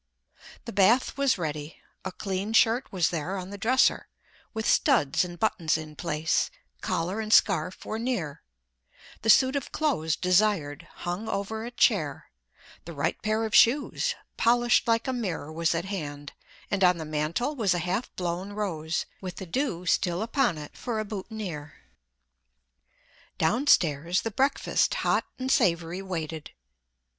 The bath was ready; a clean shirt was there on the dresser, with studs and buttons in place; collar and scarf were near; the suit of clothes desired hung over a chair; the right pair of shoes, polished like a mirror, was at hand, and on the mantel was a half blown rose, with the dew still upon it, for a boutonniere. Downstairs, the breakfast, hot and savory, waited.